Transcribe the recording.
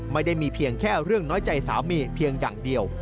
ไม่ได้มีเพียงแค่เรื่องน้อยใจสามีเพียงอย่างเดียว